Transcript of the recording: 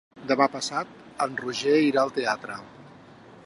Demà passat en Roger irà al teatre.